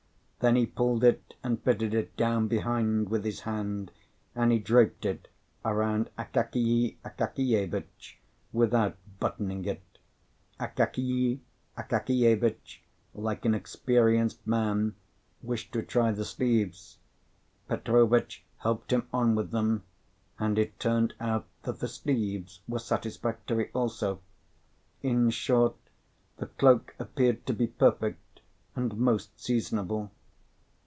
Then he pulled it and fitted it down behind with his hand, and he draped it around Akakiy Akakievitch without buttoning it. Akakiy Akakievitch, like an experienced man, wished to try the sleeves. Petrovitch helped him on with them, and it turned out that the sleeves were satisfactory also. In short, the cloak appeared to be perfect, and most seasonable.